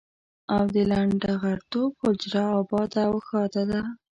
او د لنډه غرتوب حجره اباده او ښاده ده.